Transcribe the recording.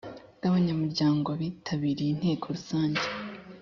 bw abanyamuryango bitabiriye inteko rusange